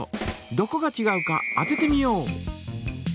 どこがちがうか当ててみよう！